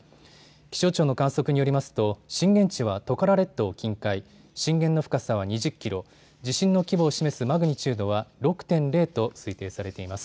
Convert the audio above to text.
気象庁の観測によりますと震源地はトカラ列島近海、震源の深さは２０キロ、地震の規模を示すマグニチュードは６．０と推定されています。